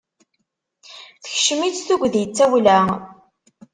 Tekcem-itt tudgi d tawla.